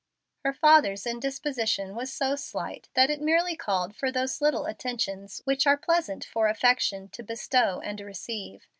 Her father's indisposition was so slight that it merely called for those little attentions which are pleasant for affection to bestow and receive.